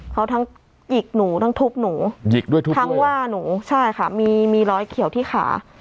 เขาทั้งหยิกหนูทั้งทุบหนูหยิกด้วยทุบทั้งว่าหนูใช่ค่ะมีมีรอยเขียวที่ขา